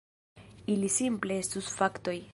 Ili simple estus faktoj.